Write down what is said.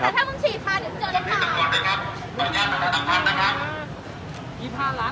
การประตูกรมทหารที่สิบเอ็ดเป็นภาพสดขนาดนี้นะครับ